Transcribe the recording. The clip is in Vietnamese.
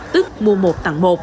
tức mùa một bảy